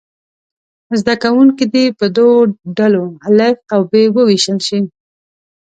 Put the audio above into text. زده کوونکي دې په دوو ډلو الف او ب وویشل شي.